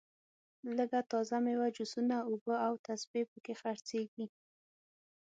لږه تازه میوه جوسونه اوبه او تسبې په کې خرڅېږي.